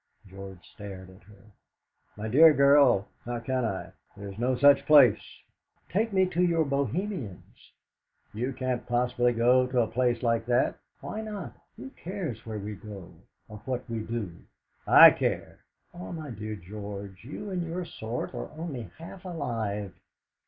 George stared at her. "My dear girl, how can I? There is no such place!" "Take me to your Bohemians!" "You can't possibly go to a place like that." "Why not? Who cares where we go, or what we do?" "I care!" "Ah, my dear George, you and your sort are only half alive!"